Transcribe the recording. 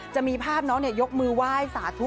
จะมีภาพน้องยกมือไหว้สาธุ